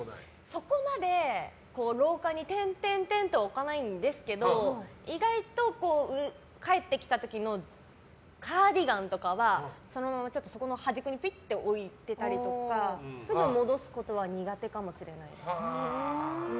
そこまで廊下に置かないんですけど意外と帰ってきた時のカーディガンとかはそのまま端っこに置いていたりとかすぐ戻すことは苦手かもしれないです。